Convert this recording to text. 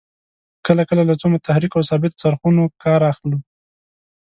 کله کله له څو متحرکو او ثابتو څرخونو کار اخلو.